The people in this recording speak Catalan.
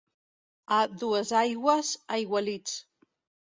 A Duesaigües, aigualits.